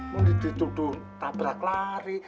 menuduh dituduh tabrak lari